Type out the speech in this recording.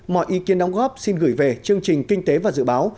mọi ý kiến đóng góp xin gửi về chương trình kinh tế và dự báo